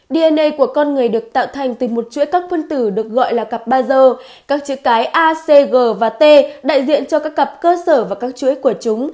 dna của con người được tạo thành từ một chuỗi các phân tử được gọi là cặp basal các chữ cái a c g và t đại diện cho các cặp cơ sở và các chuỗi của chúng